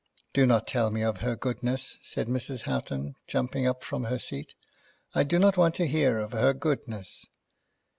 "Do not tell me of her goodness," said Mrs. Houghton, jumping up from her seat. "I do not want to hear of her goodness.